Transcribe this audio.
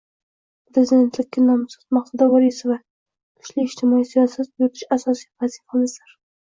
Prezidentlikka nomzod Maqsuda Vorisova: “Kuchli ijtimoiy siyosat yuritish asosiy vazifamizdir”